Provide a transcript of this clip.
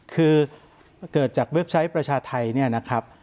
คือเกิดจากเว็บไซต์ประชาไทยเนี่ยนะครับ